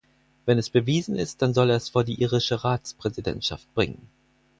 Wenn es bewiesen ist, dann soll er es vor die irische Ratspräsidentschaft bringen.